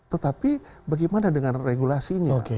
tetapi bagaimana dengan regulasinya